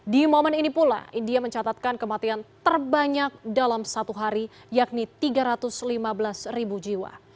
di momen ini pula india mencatatkan kematian terbanyak dalam satu hari yakni tiga ratus lima belas ribu jiwa